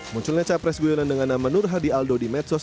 munculnya capres guyonan dengan nama nur hadi aldo di medsos